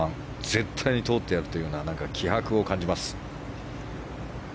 絶対に通ってやるという気迫を感じます。